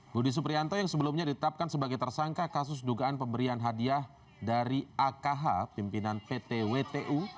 budi suprianto yang sebelumnya ditetapkan sebagai tersangka kasus dugaan pemberian hadiah dari akh pimpinan pt wtu